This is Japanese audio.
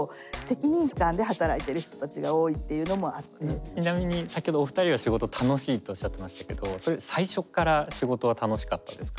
そうだから割とちなみに先ほどお二人が「仕事楽しい」っておっしゃってましたけどそれ僕は最初から楽しかったですね。